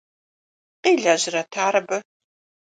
Къилэжьрэт ар абы?